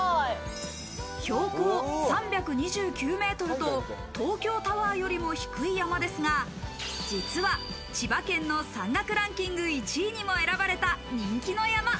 標高３２９ｍと東京タワーよりも低い山ですが、実は千葉県の山岳ランキング１位にも選ばれた人気の山！